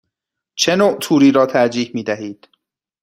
چه نوع توری را ترجیح می دهید؟